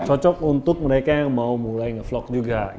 cocok untuk mereka yang mau mulai nge vlog juga